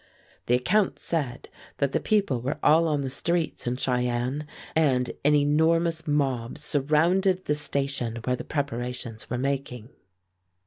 The accounts said that the people were all on the streets in Cheyenne, and an enormous mob surrounded the station where the preparations were making.